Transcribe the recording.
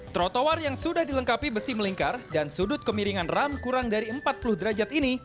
trotoar yang sudah dilengkapi besi melingkar dan sudut kemiringan ram kurang dari empat puluh derajat ini